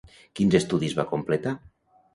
Quins estudis va completar?